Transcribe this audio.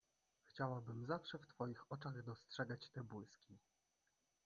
"Chciałabym zawsze w twoich oczach dostrzegać te błyski!"